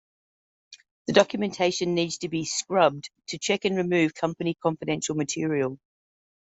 The documentation needs to be "scrubbed" to check and remove company confidential material.